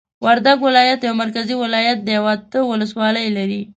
وردګ ولایت یو مرکزی ولایت دی او اته ولسوالۍ لری